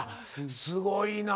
すごいな。